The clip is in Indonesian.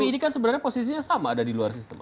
tapi ini kan sebenarnya posisinya sama ada di luar sistem